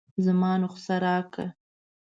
زما نسخه راکه.